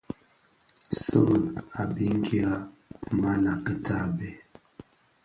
Sèghi a biňkira, mana kitabè.